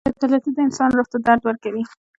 • بې عدالتي د انسان روح ته درد ورکوي.